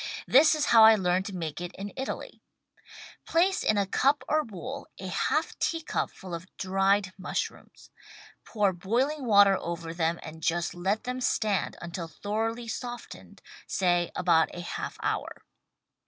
This is how I learned to make it in Italy: Place in a cup or bowl a half teacup full of dried mushrooms. Pour boiling water over them and just let them stand until thoroughly softened, say — about a half hour.